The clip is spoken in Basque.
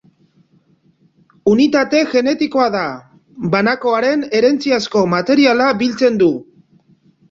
Unitate genetikoa da banakoaren herentziazko materiala biltzen du.